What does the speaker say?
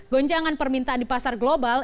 gonjangan permintaan di pasar global